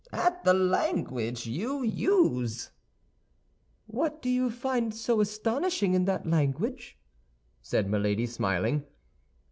"At the language you use." "What do you find so astonishing in that language?" said Milady, smiling.